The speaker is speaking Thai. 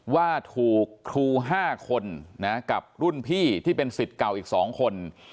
ว่าถูกครู๕คนกับรุ่นพี่ที่เป็นสิทธิ์เก่าอีก๒คน